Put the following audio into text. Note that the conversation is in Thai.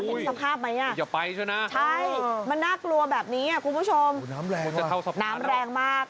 เห็นสภาพไหมอ่ะใช่มันน่ากลัวแบบนี้คุณผู้ชมน้ำแรงมาก